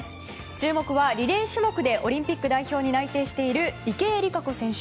注目はリレー種目でオリンピック代表に内定している池江璃花子選手。